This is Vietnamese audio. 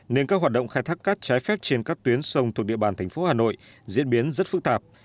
nên các hoạt động khai thác cát trái phép trên các tuyến sông thuộc địa bàn thành phố hà nội diễn biến rất phức tạp